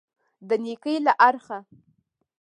د نېکۍ له اړخه.